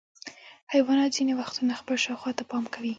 حیوانات ځینې وختونه خپل شاوخوا ته پام کوي.